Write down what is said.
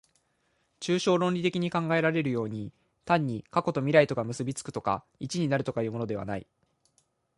抽象論理的に考えられるように、単に過去と未来とが結び附くとか一になるとかいうのではない。